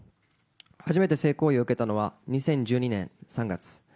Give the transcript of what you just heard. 初めて性行為を受けたのは、２０１２年３月。